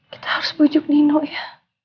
kita harus bujuk nino ya